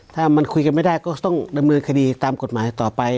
ถ้ามันคุยกันไม่ได้ก็ต้องดำเนินคดีตามกฎหมายต่อไป